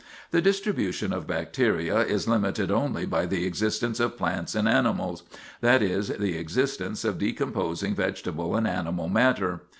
The distribution of bacteria is limited only by the existence of plants and animals; that is, the existence of decomposing vegetable and animal matter.